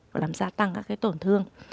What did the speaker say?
và làm gia tăng các cái tổn thương